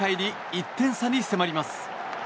１点差に迫ります。